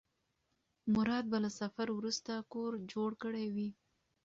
مراد به له سفر وروسته کور جوړ کړی وي.